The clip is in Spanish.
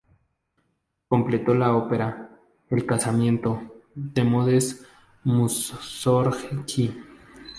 Completó la ópera ""El Casamiento"" de Modest Músorgski.